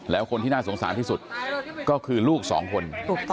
แล้วคนที่น่าสงสารที่สุดก็คือลูกสองคน